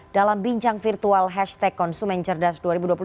dalam bincang virtual hashtag konsumen cerdas dua ribu dua puluh satu